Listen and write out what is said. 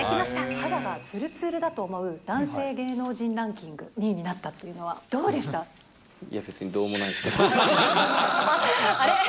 肌がつるつるだと思う男性芸能人ランキング２位になったというのいや、別にどうもないですけあれ？